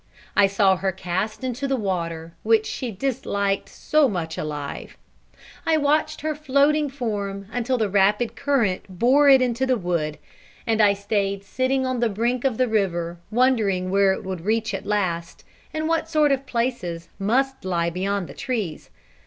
I saw her cast into the water, which she disliked so much alive; I watched her floating form until the rapid current bore it into the wood, and I stayed sitting on the brink of the river wondering where it would reach at last, and what sort of places must lie beyond the trees.